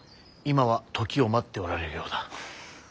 今は時を待っておられるようだ。